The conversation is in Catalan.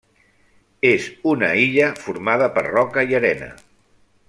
És una illa formada per roca i arena.